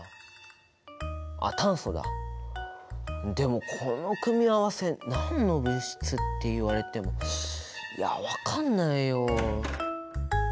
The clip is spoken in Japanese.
でもこの組み合わせ何の物質っていわれてもいや分かんないよ。